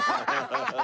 ハハハハ！